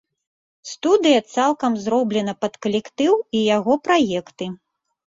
Студыя цалкам зроблена пад калектыў і яго праекты.